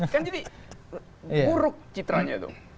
kan jadi buruk citranya tuh